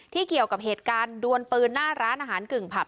เกี่ยวกับเหตุการณ์ดวนปืนหน้าร้านอาหารกึ่งผับ